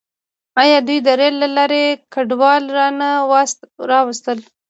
آیا دوی د ریل له لارې کډوال را نه وستل؟